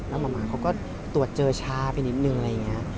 หมาเขาก็ตรวจเจอช้าไปนิดนึงอะไรอย่างนี้